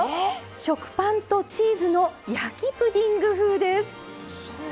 食パンとチーズの焼きプディング風です。